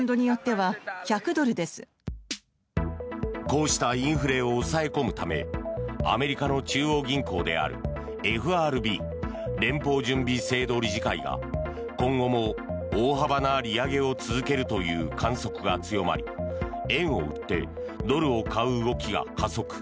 こうしたインフレを抑え込むためアメリカの中央銀行であるＦＲＢ・連邦準備制度理事会が今後も大幅な利上げを続けるという観測が強まり円を売ってドルを買う動きが加速。